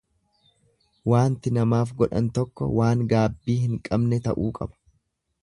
Waanti namaaf godhan tokko waan gaabbii hin qabne ta'uu qaba.